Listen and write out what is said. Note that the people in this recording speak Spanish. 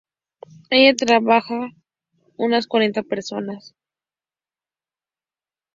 En ella trabajan unas cuarenta personas.